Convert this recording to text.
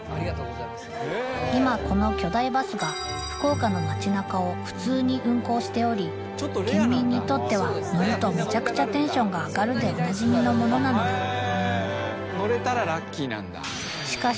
今この巨大バスが福岡の街なかを普通に運行しており県民にとっては乗るとめちゃくちゃテンションが上がるでおなじみのものなのだしかし